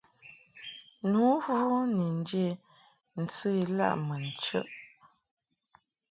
Nu vu ni nje ntɨ ilaʼ mun chəʼ.